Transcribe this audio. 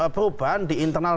perubahan di internal